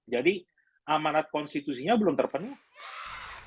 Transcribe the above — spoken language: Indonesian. jadi amanat konstitusinya belum terpenuh